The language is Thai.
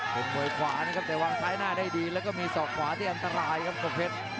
เป็นมวยขวานะครับแต่วางซ้ายหน้าได้ดีแล้วก็มีศอกขวาที่อันตรายครับตัวเพชร